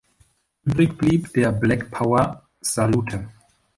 Übrig blieb der "Black Power Salute.